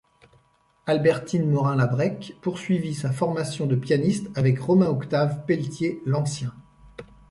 Albertine Morin-Labrecque poursuivit sa formation de pianiste avec Romain-Octave Pelletier l'Ancien.